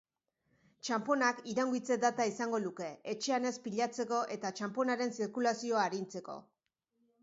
Txanponak iraungitze data izango luke, etxean ez pilatzeko eta txanponaren zirkulazioa arintzeko.